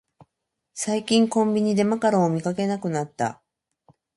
最近コンビニでマカロンを見かけなくなった